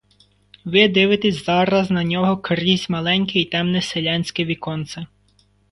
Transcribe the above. Ви дивитесь зараз на нього крізь маленьке і темне селянське віконце.